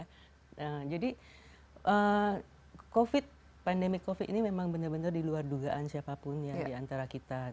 nah jadi covid pandemi covid ini memang benar benar di luar dugaan siapapun ya di antara kita